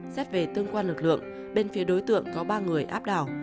xét về tương quan lực lượng bên phía đối tượng có ba người áp đảo